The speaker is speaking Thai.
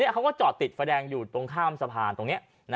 เขาก็จอดติดไฟแดงอยู่ตรงข้ามสะพานตรงนี้